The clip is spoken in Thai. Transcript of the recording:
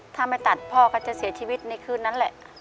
ถ้าไม่ตัดพ่อก็จะเสียชีวิตในคืนนั้นแหละ